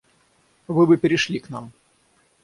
Вы бы перешли к нам.